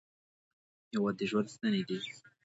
هېواد د ژوند ستنې دي.